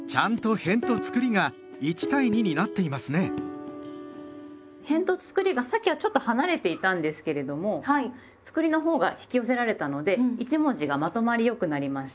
へんとつくりがさっきはちょっと離れていたんですけれどもつくりのほうが引き寄せられたので一文字がまとまり良くなりました。